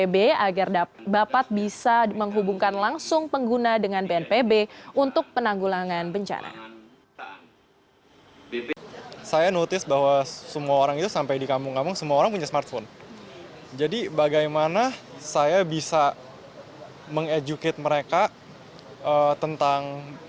bapat dapat segera diunduh di pasukan